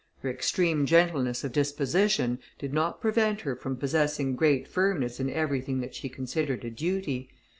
Her extreme gentleness of disposition, did not prevent her from possessing great firmness in everything that she considered a duty.